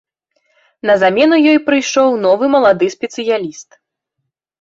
На замену ёй прыйшоў новы малады спецыяліст.